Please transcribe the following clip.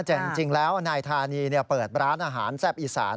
แต่จริงแล้วนายธานีเปิดร้านอาหารแซ่บอีสาน